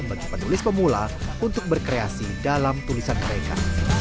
bagi penulis pemula untuk berkreasi dalam tulisan mereka